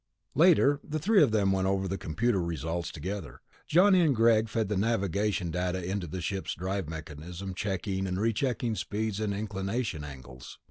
Later, the three of them went over the computer results together. Johnny and Greg fed the navigation data into the ship's drive mechanism, checking and rechecking speeds and inclination angles.